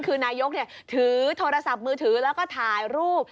คือนายกถือโทรศัพท์มือถือแล้วก็ถ่ายรูป